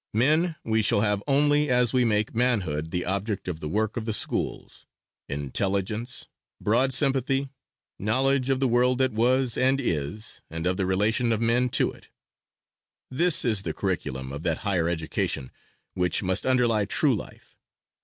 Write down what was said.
Men we shall have only as we make manhood the object of the work of the schools intelligence, broad sympathy, knowledge of the world that was and is, and of the relation of men to it this is the curriculum of that Higher Education which must underlie true life.